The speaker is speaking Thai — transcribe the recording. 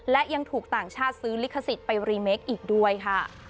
และยังถูกต่างชาติซื้อลิขสิทธิ์ไปรีเมคอีกด้วยค่ะ